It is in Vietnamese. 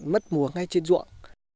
mất múa ngay trên ruộng